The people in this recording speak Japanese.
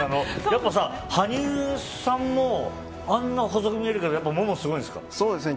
やっぱさ、羽生さんもあんな細く見えるけどやっぱりもも、すごいんですか？